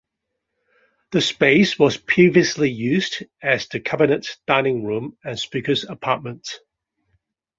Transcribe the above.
The space was previously used as the Cabinet dining room and Speaker's apartment.